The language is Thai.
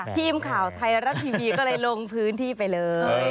ทีมข่าวไทยรัฐทีวีก็เลยลงพื้นที่ไปเลย